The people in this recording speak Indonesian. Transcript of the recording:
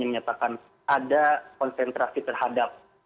yang merasa bahkan ada konsentrasi terhadap